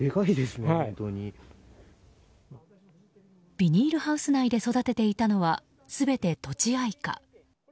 ビニールハウス内で育てていたのは全て、とちあいか。